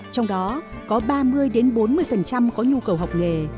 trong đó có ba mươi bốn mươi có nhu cầu học nghề